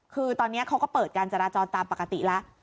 คือตอนนี้เขาก็เปิดการจราจรตามปกติแล้ว